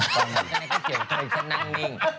ตอนนี้ก็เกลียดว่าดิฉันนั่งนิ่ง